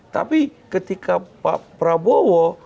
tapi ketika pak prabowo